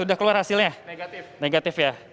sudah keluar hasilnya negatif ya